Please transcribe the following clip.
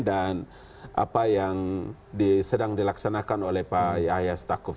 dan apa yang sedang dilaksanakan oleh pak yahya setakup